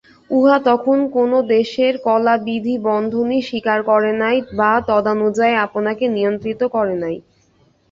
উহা তখন কোন দেশের কলাবিধিবন্ধনই স্বীকার করে নাই বা তদনুযায়ী আপনাকে নিয়ন্ত্রিত করে নাই।